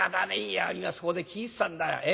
いや今そこで聞いてたんだよ。